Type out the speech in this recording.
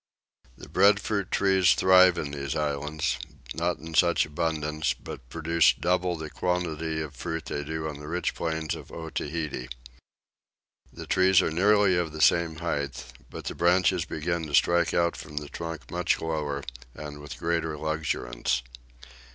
The breadfruit trees thrive in these islands, not in such abundance, but produce double the quantity of fruit they do on the rich plains of Otaheite. The trees are nearly of the same height, but the branches begin to strike out from the trunk much lower, and with greater luxuriance.